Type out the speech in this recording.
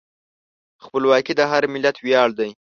خپلواکي د هر ملت ویاړ دی.